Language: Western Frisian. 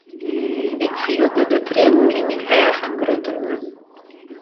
Ik fielde de triennen yn myn eagen grutter wurden.